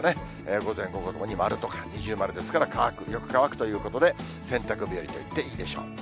午前、午後ともに丸とか、二重丸ですから、乾く、よく乾くということで、洗濯日和といっていいでしょう。